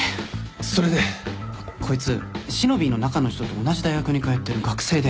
それで？こいつしのびぃの中の人と同じ大学に通ってる学生で。